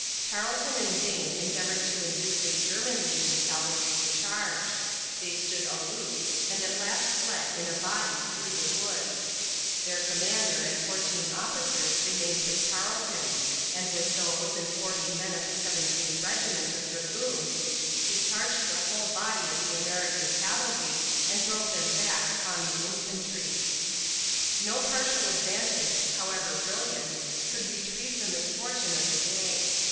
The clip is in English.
Tarleton in vain endeavored to induce his German legion cavalry to charge; they stood aloof and at last fled in a body through the woods. Their commander and 14 officers remained with Tarleton, and with these and 40 men of the Seventeenth Regiment of dragoons he charged the whole body of the American cavalry and drove them back upon the infantry. No partial advantage, however brilliant, could retrieve the misfortune of the day.